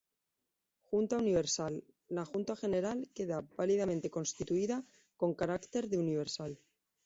Junta Universal: La Junta General queda válidamente constituida con carácter de "Universal".